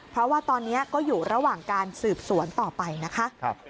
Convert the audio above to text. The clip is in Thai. เพราะว่าตอนนี้ก็อยู่ระหว่างการสืบสวนต่อไปนะคะ